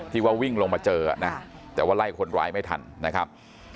ว่าวิ่งลงมาเจอนะแต่ว่าไล่คนร้ายไม่ทันนะครับ